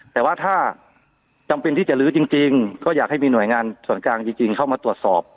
แต่ว่าถ้าจำเป็นที่จะลื้อจริงก็อยากให้มีหน่วยงานส่วนกลางจริงเข้ามาตรวจสอบ